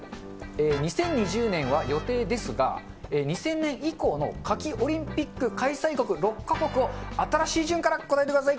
２０２０年は予定ですが、２０００年以降の夏季オリンピック開催国、６か国を、新しい順から答えてください。